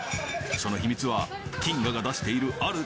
その秘密は謹賀が出しているある